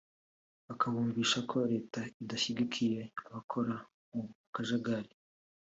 bakabumvisha ko leta idashyigikiye abakora mu kajagari